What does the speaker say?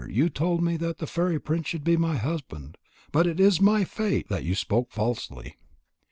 You told me that the fairy prince should be my husband, but it is my fate that you spoke falsely."